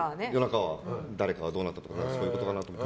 誰かがどうなったとかそういうことかなって。